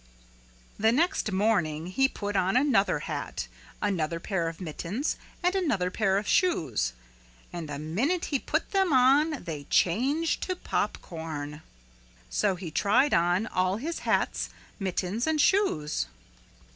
The next morning he put on another hat, another pair of mittens and another pair of shoes. And the minute he put them on they changed to popcorn. So he tried on all his hats, mittens and shoes.